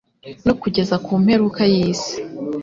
No kugeza ku mperuka y’isi